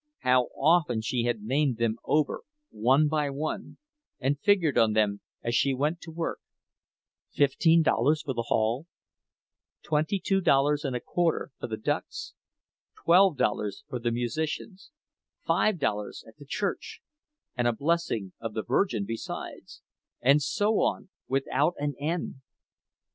How often she had named them over one by one and figured on them as she went to work—fifteen dollars for the hall, twenty two dollars and a quarter for the ducks, twelve dollars for the musicians, five dollars at the church, and a blessing of the Virgin besides—and so on without an end!